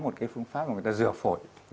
nó là cái phương pháp mà người ta rửa phổi